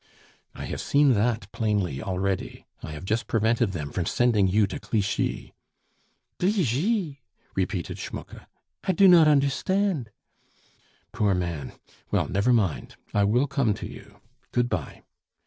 "I have seen that plainly already; I have just prevented them from sending you to Clichy." "Gligy!" repeated Schmucke; "I do not understand." "Poor man! Well, never mind, I will come to you. Good bye."